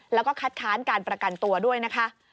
แล้วก็คัดค้านการประกันตัวด้วยนะคะ